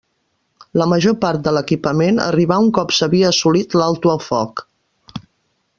La major part de l'equipament arribà un cop s'havia assolit l'alto el foc.